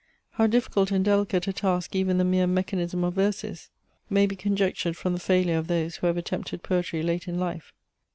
How difficult and delicate a task even the mere mechanism of verse is, may be conjectured from the failure of those, who have attempted poetry late in life.